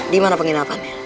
di mana penginapannya